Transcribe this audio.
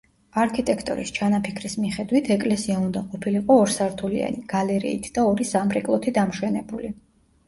არქიტექტორის ჩანაფიქრის მიხედვით ეკლესია უნდა ყოფილიყო ორსართულიანი, გალერეით და ორი სამრეკლოთი დამშვენებული.